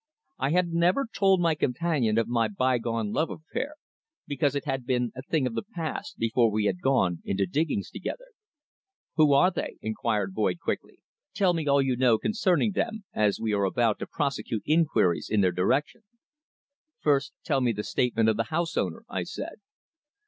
I had never told my companion of my bygone love affair, because it had been a thing of the past before we had gone into diggings together. "Who are they?" inquired Boyd quickly. "Tell me all you know concerning them, as we are about to prosecute inquiries in their direction." "First, tell me the statement of the house owner," I said.